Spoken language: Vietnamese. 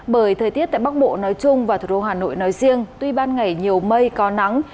bởi thời tiết tại bắc bộ nói chung và thủ đô hà nội nói riêng tuy ban ngày nhiều mây có nắng